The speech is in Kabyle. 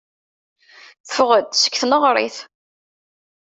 Ffeɣ-d seg tneɣrit.